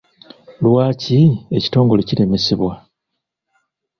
Lwaki ekitongole kiremesebwa?